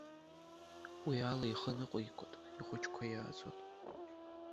Уи ала ихы ныҟәигоит, ихәыҷқәа иааӡоит.